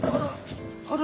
あら。